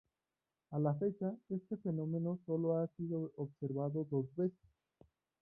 A la fecha, este fenómeno sólo ha sido observado dos veces.